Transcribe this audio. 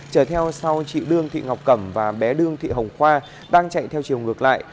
trở theo sau chị đương thị ngọc cẩm và bé đương thị hồng khoa đang chạy theo chiều ngược lại